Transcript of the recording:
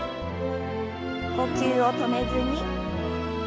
呼吸を止めずに。